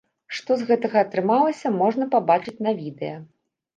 Што з гэтага атрымалася, можна пабачыць на відэа.